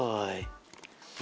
berlembar lembar gitu boy